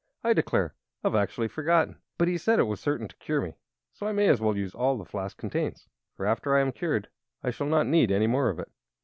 "I declare, I've actually forgotten! But he said it was sure to cure me, so I may as well use all the flask contains. For, after I am cured, I shall not need any more of it."